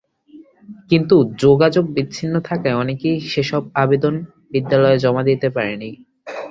কিন্তু যোগাযোগ বিচ্ছিন্ন থাকায় অনেকেই সেসব আবেদন বিদ্যালয়ে জমা দিতে পারেননি।